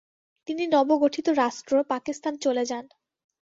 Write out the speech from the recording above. তিনি নবগঠিত রাষ্ট্র পাকিস্তান চলে যান।